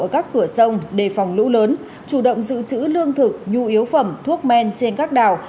ở các cửa sông đề phòng lũ lớn chủ động giữ chữ lương thực nhu yếu phẩm thuốc men trên các đảo